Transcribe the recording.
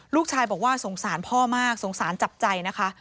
ลูกชายบอกว่าสงสารพ่อมากสงสารจับใจนะคะ